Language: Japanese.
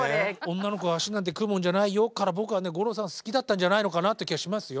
「女の子は足なんて組むもんじゃないよ」から僕はね五郎さんは好きだったんじゃないのかなって気がしますよ。